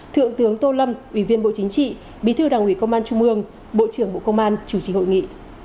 thượng tướng tô lâm ủy viên bộ chính trị bí thư đảng ủy công an trung ương bộ trưởng bộ công an chủ trì hội nghị